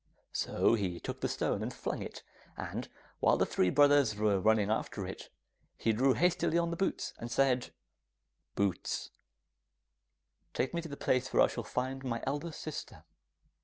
So he took the stone and flung it, and while the three brothers were running after it, he drew hastily on the boots, and said, 'Boots, take me to the place where I shall find my eldest sister.